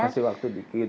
kasih waktu dikit